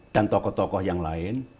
dan tokoh tokoh yang lain